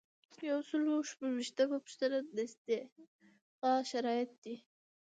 یو سل او شپږ ویشتمه پوښتنه د استعفا شرایط دي.